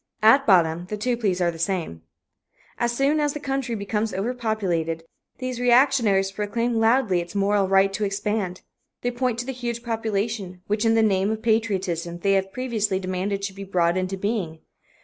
At bottom the two pleas are the same. As soon as the country becomes overpopulated, these reactionaries proclaim loudly its moral right to expand. They point to the huge population, which in the name of patriotism they have previously demanded should be brought into being.